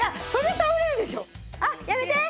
あっやめて！